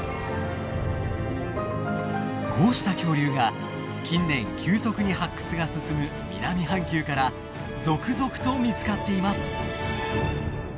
こうした恐竜が近年急速に発掘が進む南半球から続々と見つかっています。